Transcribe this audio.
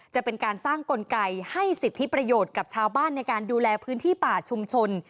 จะเป็นการสร้างกลไกให้สิทธิประโยชน์กับชาวบ้านในการดูแลพื้นที่ป่าชุมชน